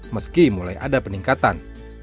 meski mulai ada peningkatan